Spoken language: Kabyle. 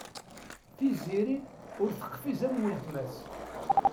Tiziri ur teqfiz am weltma-s.